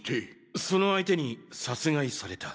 その相手に殺害された。